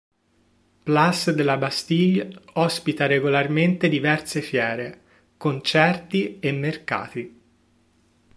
Place de la Bastille ospita regolarmente diverse fiere, concerti e mercati.